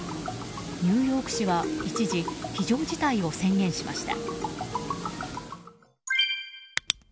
ニューヨーク市は一時、非常事態を宣言しました。